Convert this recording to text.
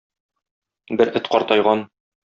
Бер эт картайган.